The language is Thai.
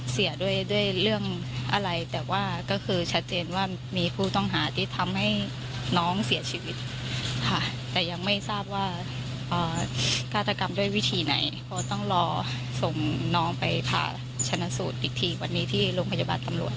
เสียด้วยด้วยเรื่องอะไรแต่ว่าก็คือชัดเจนว่ามีผู้ต้องหาที่ทำให้น้องเสียชีวิตค่ะแต่ยังไม่ทราบว่าฆาตกรรมด้วยวิธีไหนเพราะต้องรอส่งน้องไปผ่าชนะสูตรอีกทีวันนี้ที่โรงพยาบาลตำรวจ